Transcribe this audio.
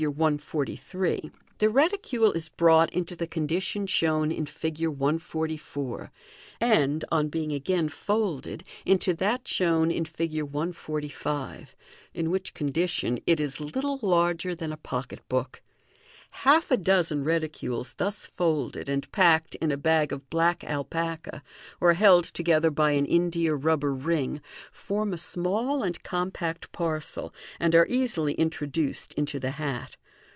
143), the 3io MODERN MAGIC reticule is brought into the condition shown in Fig. 144, and, on being again folded, into that shown in Fig. 145, in which condition it is little larger than a pocket book. Half a dozen reticules thus folded, and packed in a bag of black alpaca, or held together by an india rubber ring, form a small and compact parcel, and are easily introduced into the hat.